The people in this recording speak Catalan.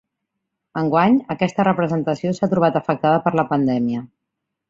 Enguany, aquesta representació s’ha trobat afectada per la pandèmia.